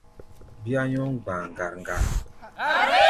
Bíá nyɔ́ŋ gba̧a̧ ŋgar-ŋgar.